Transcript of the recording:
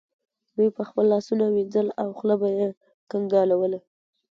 دوی به خپل لاسونه وینځل او خوله به یې کنګالوله.